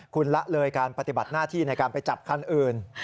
คุณละเลยการปฏิบัติหน้าที่ในการไปจับคันอื่น